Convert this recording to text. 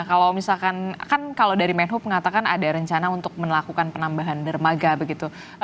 kalau misalkan kan kalau dari menhub mengatakan ada rencana untuk melakukan penambahan dermaga begitu